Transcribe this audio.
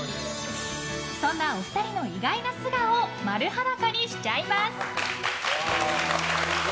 そんなお二人の意外な素顔を丸裸にしちゃいます。